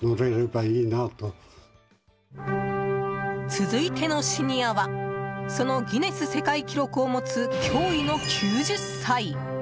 続いてのシニアはそのギネス世界記録を持つ驚異の９０歳！